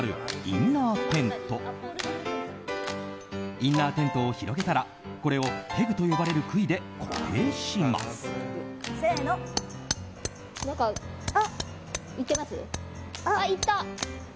インナーテントを広げたらこれをペグと呼ばれる杭で固定します。